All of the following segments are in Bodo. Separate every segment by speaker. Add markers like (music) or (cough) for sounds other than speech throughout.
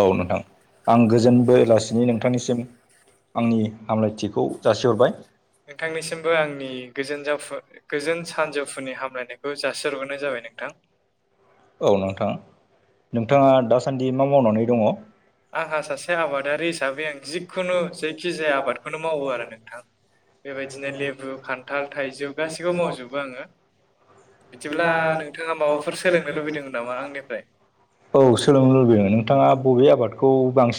Speaker 1: औ नोंथां आं गोजोनबोलासिनि नोंथांनिसिम आंनि हामलायथिखौ जासिहरबाय।
Speaker 2: नोंथांनिसिमबो आंनि गोजोन सानजौफुनि हामलायनायखौ जासिहरग्रोनाय जाबाय नों थां।
Speaker 1: औ नोंथां नोंथाङा दासान्दि मा मावनानै दङ?
Speaker 2: आंहा सासे आबादारि हिसाबै आं जिखुनु जायखि जाया आबादखौनो मावो आरो नोंथां। बेबायदिनो लेबु खान्थाल थाइजौ गाैखौबो मावजोबो आङो। बिदिब्ला नोंथाङा माबाफोर सोलोंनो लुबैदोंमोन नामा आंनिफ्राय?
Speaker 1: सोलोंनो नोंथाङा बबे आबादखौ खौ बांसिन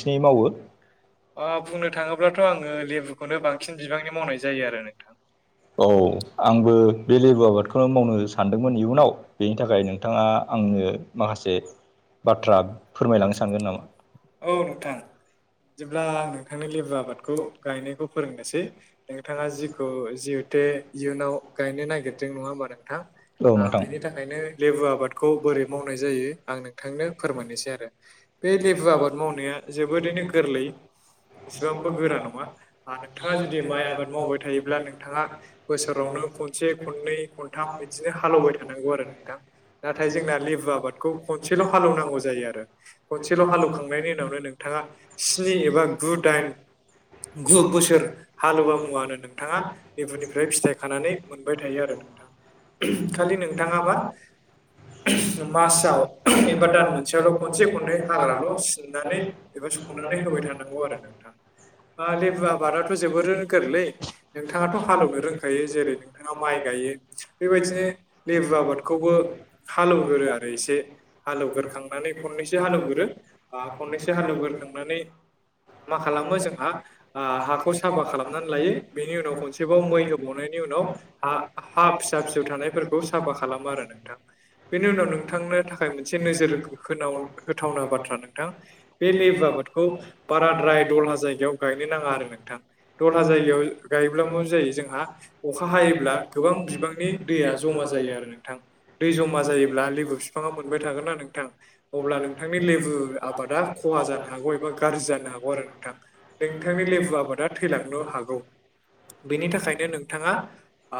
Speaker 2: अ बुंनो थाङोब्लाथ' आङो लेबु खौनो बांसिन बिबांनि मावनाय जायो आरो नोंथां।
Speaker 1: औ आंबो बे लेबु आबादखौनो मावनो सानदोंमोन इयुनाव। बेनि थाखाय नोंथाङा आंनो माखासे बाथ्रा फोरमायलांनो सानदों
Speaker 2: औ
Speaker 1: नामा?
Speaker 2: नोंथां। बिदिब्ला आं नोंथांनो लेबु आबादखौ गायनायखौ फोरोंनोसै नोंथाङा जिखौ जिहेथे इयुनाव गायनो नागिरदों नङा होमबा नोंथां?
Speaker 1: नोंथां
Speaker 2: बेनि थाखायनो लेबु आबादखौ बोरै मावनाय जायो आंनो थांनो फोरमायनोसै आरो। बे लेबु आबाद मावनाया जोबोरैनो गोरलै। एसेबांबो गोरा नङा। नोंथाङा जुदि माइ आबाद मावबाय थायोब्ला नोंथां नोंथाङा बोसोरावनो खनसे खननै खनथाम बिदिनो हालेवबाय थानांगौ आरो नोंथां।
Speaker 1: औ
Speaker 2: नाथाय जोंना लेबु आबादखौ खनसे खनसेल' हालौवनांगौ जायो आरो। खनसेल' हालेवखांनायनि उनावनो नोंथाङा स्नि एबा गु दाइन गु बोसोर हालौवा मुवानो नोंथाङा लबुनिफ्राय फिथाइ खानानै मोनबाय थायो आरो नोंथां। खालि नोंथाङा मा
Speaker 1: मासाव एबा दान
Speaker 2: मोनसेयावल'
Speaker 1: फैसाखौ खनसे
Speaker 2: खननै
Speaker 1: खनसेै
Speaker 2: हाग्राल'
Speaker 1: हागखौ'
Speaker 2: सिननानै
Speaker 1: फनानै
Speaker 2: एबा सननानै
Speaker 1: संनानै होबाय थानांगौ आरो।
Speaker 2: नोंथां ओ
Speaker 1: आ
Speaker 2: लेबु
Speaker 1: देब
Speaker 2: आबादाथ' जोबोर गोरलै
Speaker 1: बार'ज
Speaker 2: नोंथाङाथ' हालेवनो रोंखायो जेरै नोंथाङा माइ गायो बेबायदिनो लेबु आबादखौबो हालेवगोरो आरो एसे। हालेवगोरोखांनानै खननैसो हालेवगोरो आ खननैसो हालेवगोरखांनानै मा खालामो जोंहा आ हाखौ साफा खालामनानै लायो। बेनि उनाव खनसेबाव मै होबावनायनि उनाव ह हा फिसा फिसौ थानायफोरखौ साफा खालामो आरो नोंथां। बेनि उनाव नोंथांनो थाखाय मोनसे नोजोर होनाव होथावना बाथ्रा नोंथां बे लेबु आबादखौ बाराद्राय दलहा जायगायाव गायनो नाङा आरो नोंथां। दलहा जायगायाव गायब्लाबो जायो जोंहा अखा हायोब्ला गोबां बिबांनि दैया जमा जायो आरो नोंथां। दै जमा जायोब्ला लेबु फिफाङा मोनबाय थागोन ना नोंथां अब्ला नोंथांनि लेबु आबादा खहा जानो हागौ एबा गाज्रि जानो हागौ आरो नोंथां। नोंथांनि लेबु आबादा थैलांनो हागौ। बेनि थाखायनो नोंथाङा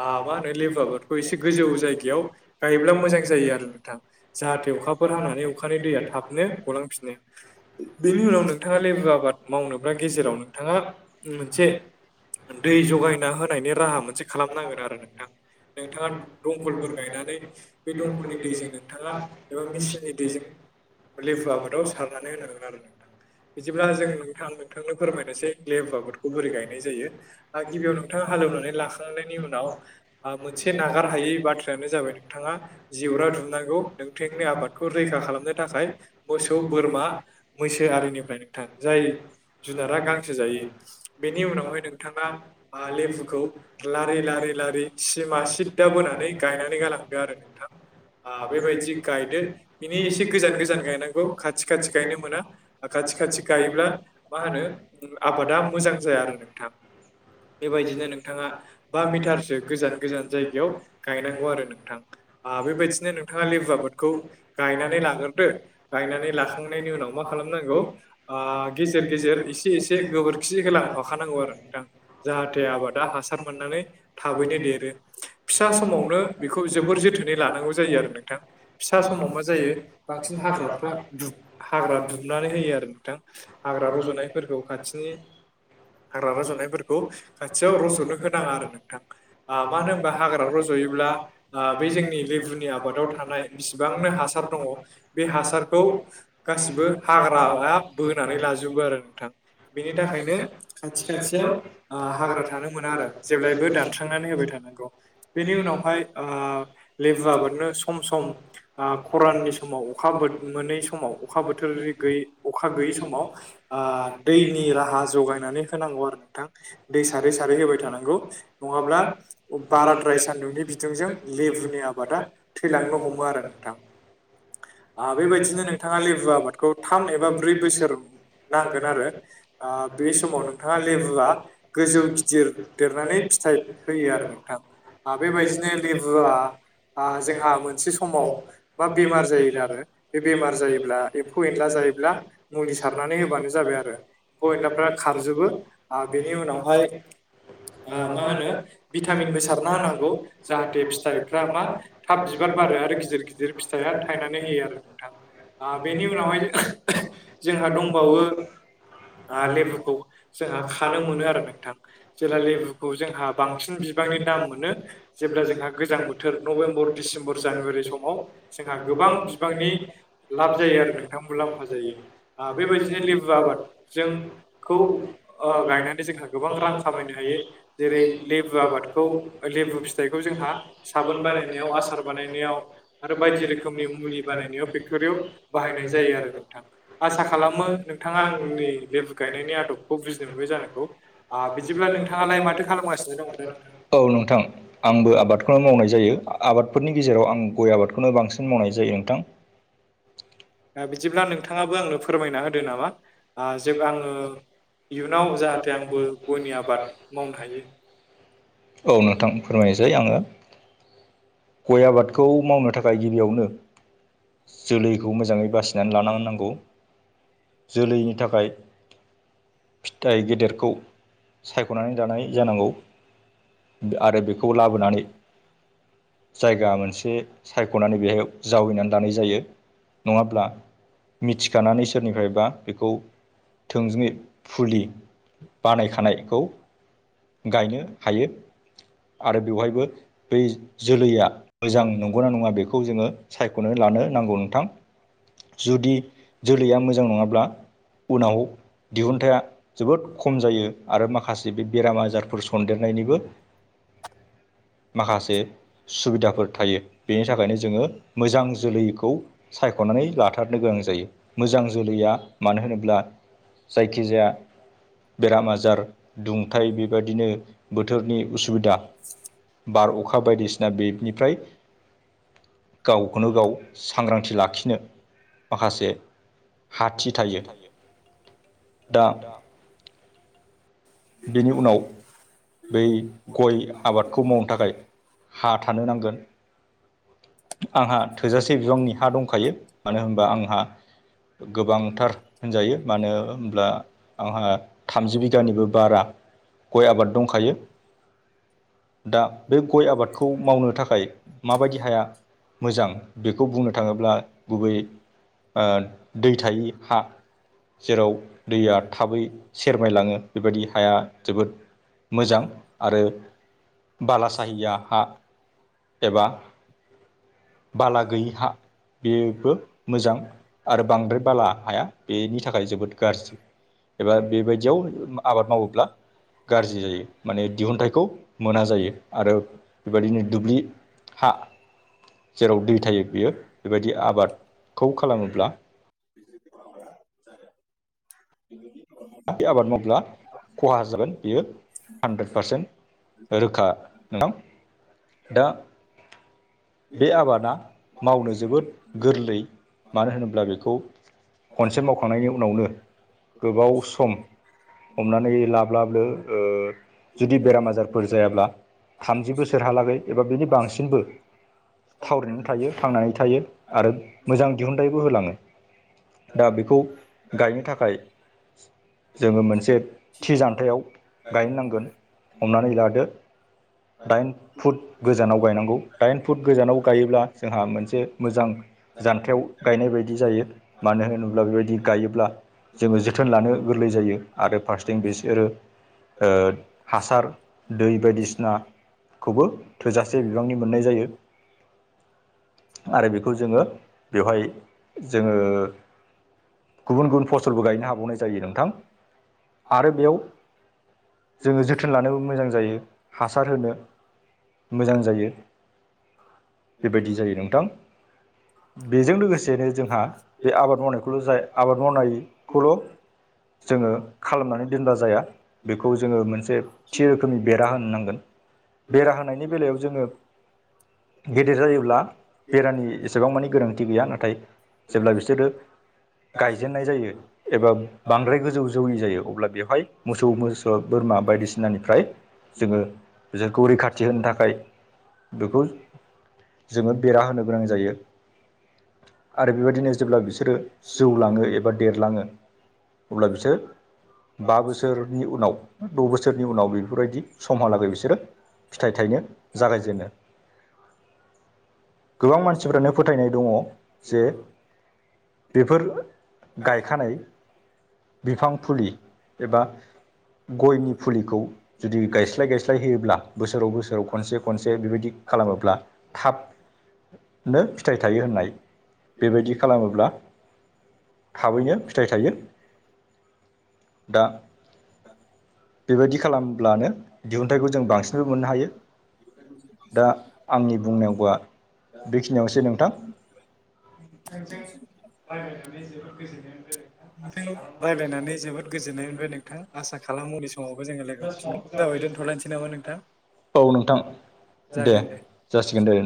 Speaker 2: आ मा होनो लेब आबादखौ एसे गोजौ जायगायाव गायोब्ला मोजां जायो आरो नोंथां जाहाथे जाहाथे अखाफोर हानानै अखानि दैया थाबनो गलांफिनो। बेनि उनाव नोंथाङा लेबु आबाद मावनोब्ला गेजेराव नोंथाङा मोनसे दै जगायना होनायनि राहा मोनसे खालामनांगोन आरो नोंथां। नोंथाङा दंखलफोर गायनानै बे दंखलनि दैजों नोंथाङा बा मेचननि दैजों लेबु आबादाव सारनानै होनांगोन आरो नोंथां। बिदिब्ला जों नोंथां नोंथांनो फोरमायनोसै लेब आगादखौ बोरै गायनाय जायो गिबियाव नोंथाङा हालेवनानै लाखांनायनि उनाव मोनसे नागार हायै बाथ्रायानो जाबाय नोंथाङा जिरा दुमनांगौ नोंथांनि आबादखौ रैखा खालामनो थाखाय मोसौ बोरमा मैसो आरिनिफ्राय नोंथां जाय जुनारा गांसो जायो बेनि उनावहाय नों थाङा लेमबुखौ लारि लारि लारि सिमा सिद्दा बोनानै गायनानै गालां आरो नोंथां आ बेबायदि। जि गायदो बिनि एसे गोजान गोजान गायनांगौ खाथि खाथि गायनो मोना आ खाथि खाथि गायोब्ला मा होनो आबादा मोजां जाया आरो नोंथां। बेबायदिनो नोंथाङा बा मिटारसो गोजान गोजान जायगायाव गायनांगौ आरो नोंथां। आ बेबायदिनो नोंथाङा लेबुआ खौ गायनानै लागोरदो गायनानै लाखांनायनि उनाव मा खालामनांगौ आ गेजेर गेजेर एसे एसे गोबोरखि होलांफाखा नांगौ गौ आरो नोंथां जाहाथे आबादा हासार मोननानै थाबैनो देरो। फिसा समावनो बेखौ जोबोर जोथोनै लानांगौ जायो आरो नोंथां। फिसा समाव मा जायो बांसिन हाग्राफ्रा हाग्रा दुबनानै होयो आरो नोंथां। हाग्रा रज'नायफोरखौ खाथिनि हाग्रा रज'नायफोरखौ खाथियाव रज'नो होनाङा आरो नोंथां। आ मानो होनबा हाग्रा रज'योब्ला आ बे जोंनि लेबुनि आबादाव थानाय बिसिबांनो हासार दङ बे हासारखौ गासिबो हाग्राआ बोनानै लाजोबो आरो नोंथां बेनि थाखायनो खाथि खाथिआव हाग्रा थानो मोना आरो जेब्लायबो दानस्रांनानै होबाय थानांगौ। बेनि उनावहाय आ लेबुआबादनो सम सम आ खराननि समाव अखा मोनै समाव अखा बोथोर गैयै अखा गैयै समाव आ दैनि राहा जगायनानै होन नांग आरो नोंथां दै सारै सारै होबाय थानांगौ नङाब्ला बाराद्राय सान्दुंनि बिथुंजों लेबुनि आबादा थैलांनो हमो आरो नोंथां। आ बेबायदिनो नोंथाङा लेबु आबादखौ थाम एबा ब्रै बोसोर नांगोन आरो आ बे समाव नोंथां मा लेबुवआ गोजौ गिदिर देरनानै फिथाइ होयो आरो नोंथां। आ बेबायदिनो लेबुआ आ जोंहा मोनसे समाव मा बेमार जायोनो आरो बे बेमार जायोब्ला एम्फौ एनला जायोब्ला मुलि सारनानै होबानो जाबाय आरो एम्फौ एनलाफ्रा खारजोबो आ बेनि उनावहाय आ मा होनो भिटामिनबो सारना होनांगौ जाहाथे फिथाइफ्रा मा थाब बिबार बारो आरो गिदिर गिदिर फिथाइया थायनानै होयो आरो नोंथां। आ बेनि उनावहाय जोंहा दंबावो आ लेबुखौ जोंहा खानो मोनो आरो नोंथां जेला लेबुखौ जोंहा बांसिन बिबांनि दाम मोनो। जेब्ला जोंहा गोजां बोथोर नभेम्बर डिसेम्बर जानुवारि समाव जोंहा गोबां बिबांनि लाब जायो आरो नोंथां मुलाम्फा जायो। आ बेबायदिनो लेबु आबाद जोंखौ अ गायनानै जोंहा गोबां रां खामायनो हायो जेरै लेबु आबादखौ लेबु फिथाइखौ जोंहा साबोन बानायनायाव आसार बानायनायाव आरो बायदि रोखोमनि मुलि बानायनायाव फेक्ट'रियाव बाहायनाय जायो आरो नोंथां। आसा खालामो नोंथाङा आंनि लेबु गायनायनि आदबखौ बुजिनो मोन बिबो जानांगौ बिदिब्ला नोंथाङालाय माथो खालामगासिनो दं नोंथां?
Speaker 1: बुं नोंथां‌। आंबो आबादखौनो मावनाय जायो आबादफोरनि गेजेराव आं गय आबादखौनो बांसिन मावनाय जायो नोंथां।
Speaker 2: (inaudible) आ बिदिब्ला नोंथाङाबो आंनो फोरमायना होदो नामा आ जे आङो इयुनाव जाहाथे आंबो गयनि आबाद मावनो हायो।
Speaker 1: औ नोंथां फोरमायसै आङो गय आबादखौ मावनो थाखाय गिबियावनो जोलैखौ मोजाङै बासिनानै लानां नांगौ जोलैनि थाखाय फिथाइ गेदेरखौ सायख'नानै दानाय जानांगौ। आरो बेखौ लाबोनानै जायगा मोनसे सायख'नानै बेहाय जावैनानै दानाय जायो। नङाब्ला मिथिखानानै सोरनिफ्रायबा बेखौ थोंजोङै फुलि बानायखानायखौ गायनो हायो आरो बेवहायबो बै जोलैया मोजां नंगौना नङा बेखौ जोङो सायख'नो लानो नांगौ नोंथां। जुदि जोलैया मोजां नङाब्ला उनाव दिहुनथाइया जोबोद खम जायो आरो माखासे बे बेरामा जायो। फोर सन्देरनायनिबो माखासे सुबिदाफोर थायो। बेनि थाखायनो जोङो मोजां जोलैखौ सायख'नानै लाथारनो गोनां जायो मोजां जोलैया मानो होनोब्ला जायखिजाया बेराम आजार दुंथाइ बेबादिनो बोथोरनि उसुबिदा बार अखा बायदिसिना बेनिफ्राय गावखौनो गाव सांग्रांथि लाखिनो माखासे हाथि थायो। दा बेनि उनाव बै गय आबादखौ मावनो थाखाय हा थानो नांगोन। आंहा थोजासे बिबांनि हा दंखायो मानो होनबा आंहा गोबांथार होनजायो मानो होनोमब्ला आंहा थामजि बिगानिबो बारा गय आबाद दंखायो दा बे गय आबादखौ मावनो थाखाय माबायदि हाया मोजां बेखौ बुंनो थाङोब्ला गुबै दै थायि हा जेराव दैया थाबै सेरमायलाङो। बेबायदि हाया जोबोद मोजां आरो बाला साहिया हा एबा बालागैयि हा बेबो मोजां आरो बांद्राय बाला हाया बेनि थाखाय जोबोद गाज्रि एबा बेबायदियाव आबाद मावोब्ला गाज्रि जायो माने दिहुनथाइखौ मोना जायो आरो बेबायदिनो दुब्लि हा जेराव दै थायो बियो बेबायदि आबादखौ खालामोब्ला बाद मकला खहा जागोन बियो हानद्रेद पारसेन्ट रोखा नोंथां दा बे आबादा मावनो जोबोद गोरलै मानो होनोब्ला बेखौ खनसेप्ट मावखांनायनि उनावनो गोबाव सम हमनानै लाब्लाबो जुदि बेराम आजारफोर जायाब्ला थामजि बोसोरहालागै एबा बिनि बांसिनबो थावरिनानै थायो थांनानै थायो आरो मोजां दिहुनथाइबो होलाङो। दा बेखौ गायनो थाखाय जोङो मोनसे थि जान्थायाव गायनांगोन हमनानै लादो दाइन फुट गोजानाव गायनांगौ दाइन फुट गोजानाव गायोब्ला जोंहा मोनसे मोजां जानथायाव गायनाय बायदि जायो मानो होनोब्ला बेबायदि गायोब्ला जोङो जोथोन लानो गोरलै जायो आरो फार्सेथिं बिसोरो हासार दै बायदिसिना खौबो थोजासे बिबांनि मोननाय जायो आरो बेखौ जोङो बेवहाय जोङो गुबुन गुबुन फसलबो गायनो हाबावनाय जायो न गोथां आरो बेयाव जोङो जोथोन लानोबो मोजां जायो हासार होनो मोजां जायो बेबायदि जायो नोंथां बेजों लोगोसेनो जोंहा बे आबाद मावनायखौल' जाय आबाद मावनायखौल' जोङो खालामनानै दोनबा जाया बेखौ जोङो मोनसे थि रोखोमनि बेरा होनो नांगोन बेरा होनायनि बेलायाव जोङो गेदेर जायोब्ला बेरानि एसेबां मानि गोनांथि गैया नाथाय जेब्ला बिसोरो गायजेननाय जायो एबा बांद्राय गोजौ जौयि जायो अब्ला बेवहाय मोसौ मोसौ बोरमा बायदिसिनानिफ्राय जोङो खौ रैखाथि होनो थाखाय बेखौ जोङो बेरा होनो गोनां जायो आरो बेबायदिनो जेब्ला बिसोरो जौलाङो एबा देरलाङो अब्ला बिसोर बा बोसोरनि उनाव द' बोसोरनि उनाव बेफोरबायदि समहालागै बिसोरो फिथाइ थाइनो जागायजेनो
Speaker 2: (inaudible)
Speaker 1: गोबां मानसिफ्रानो फोथायनाय दङ जे बेफोर गायखानाय बिफां फुलि एबा गयनि फुलिखौ जुदि गायस्लाय गायस्लाय सिस्लाय होयोब्ला बोसोराव बोसोराव खनसे खनसे बेबायदि खालामोब्ला थाब नो फिथाइ थायो होननाय बेबायदि खालामोब्ला थाबैनो फिथाइ थायो दा बेबायदि खालामब्लानो दिहुनथायाइखौ जों बांसिनबो मोननो हायो दा आंनि बुंनायावौआ बे थिनियावसै नोंथां
Speaker 2: नोंथ रायलायनानै जोबोद गोजोननाय मोनबाय नोंथां आसा खालामोस नामा नोंथां?
Speaker 1: औ नोंथां दे जासिगोन दे